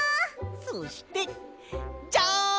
そしてジャン！